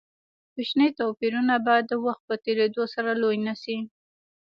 کوچني توپیرونه به د وخت په تېرېدو سره لوی نه شي.